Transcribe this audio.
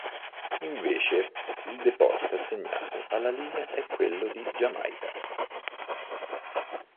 Invece, il deposito assegnato alla linea è quello di Jamaica.